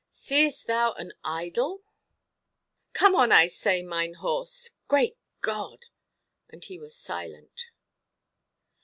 —seest thou an ἔιδωλον? Come on, I say, mine horse—Great God!——" And he was silent.